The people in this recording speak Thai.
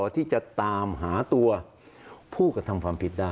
ที่จะตามหาตัวผู้กระทำความผิดได้